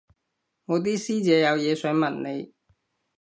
我啲師姐有嘢想問你